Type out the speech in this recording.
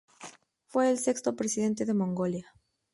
Fue el sexto presidente de Mongolia.